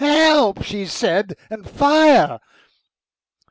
"Help!" she said, and "Fire!"